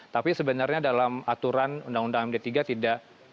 tapi sebenarnya dalam aturan undang undang md tiga tidak